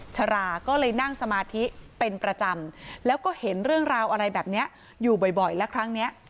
ฉลาก็เลยนั่งสมาธิเป็นประจำแล้วก็เห็นเรื่องราวอะไรแบบนี้อยู่บ่อยและครั้งเนี้ย